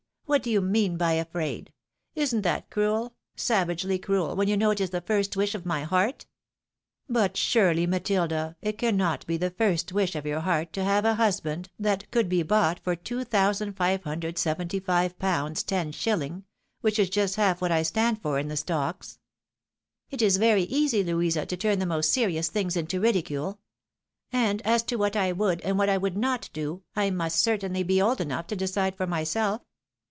What do youmeanbyafi aid? Isn't that cruel, savagely cruel, when you know it is the first wish of my heart ?"" But surely, Matilda, it cannot be the first wish of your heart to have a husband that could be bought for £2,576 10s., which is just half what I stand for in the stocks." " It is very easy, Louisa, to turn the most serious things into ridicule. And as to what I would, and what I would not do, I must certainly be old enough to decide for myself.